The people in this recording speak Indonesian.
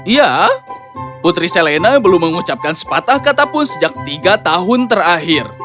ya putri selena belum mengucapkan sepatah kata pun sejak tiga tahun terakhir